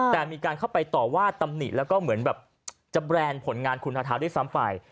แต่มีการเข้าไปต่อว่าตำหนิแล้วก็เหมือนแบบจะแบรนด์ผลงานคุณทาทาด้วยซ้ำไป